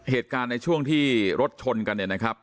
เหตุการณ์ในช่วงที่รถชนกันเนี่ยนะครับ